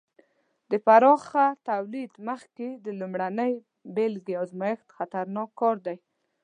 د پراخه تولید مخکې د لومړنۍ بېلګې ازمېښت خطرناک کار دی.